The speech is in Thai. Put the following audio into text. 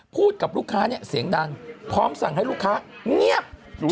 พูดกับลูกค้าเนี่ยเสียงดังพร้อมสั่งให้ลูกค้าเงียบ